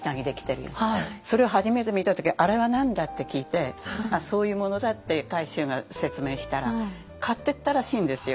それを初めて見た時「あれは何だ？」って聞いてそういうものだって海舟が説明したら買っていったらしいんですよ。